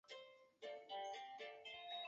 埃尔布塔尔是德国黑森州的一个市镇。